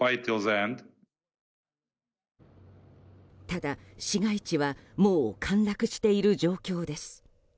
ただ、市街地はもう陥落している状況です。